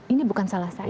ini bukan salah saya